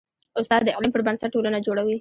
استاد د علم پر بنسټ ټولنه جوړوي.